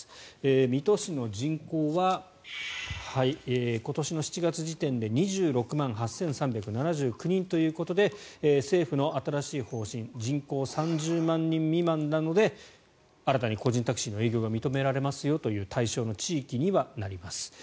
水戸市の人口は今年の７月時点で２６万８３７９人ということで政府の新しい方針人口３０万人未満なので新たに個人タクシーの営業が認められますよという対象の地域にはなります。